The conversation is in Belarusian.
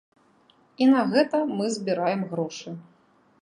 І на гэта мы збіраем грошы.